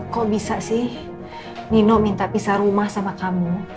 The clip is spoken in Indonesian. kok bisa sih nino minta pisah rumah sama kamu